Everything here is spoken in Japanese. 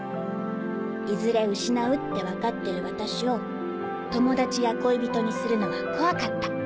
いずれ失うって分かってる私を友達や恋人にするのが怖かった。